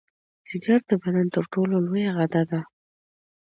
ځیګر د بدن تر ټولو لویه غده ده